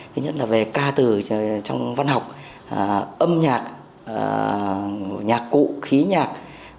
thứ nhất là về ca từ trong văn học âm nhạc cụ khí nhạc